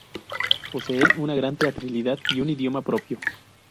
Posee una gran teatralidad y un idioma propio.